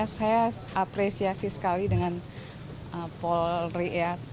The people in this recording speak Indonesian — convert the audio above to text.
saya apresiasi sekali dengan polri ya